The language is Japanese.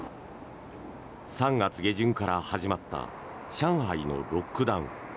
３月下旬から始まった上海のロックダウン。